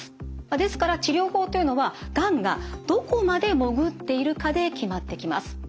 ですから治療法というのはがんがどこまで潜っているかで決まってきます。